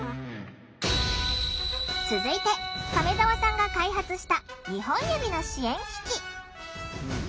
続いて亀澤さんが開発した２本指の支援機器。